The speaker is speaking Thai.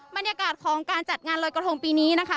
บรรยากาศของการจัดงานลอยกระทงปีนี้นะคะ